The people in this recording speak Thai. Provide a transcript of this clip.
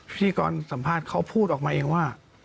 พี่กรสัมภาษณ์เขาพูดออกมาเองว่า